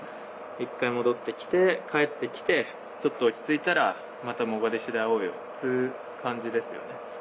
一回戻って来て帰って来てちょっと落ち着いたらまたモガディシオで会おうよっつう感じですよね。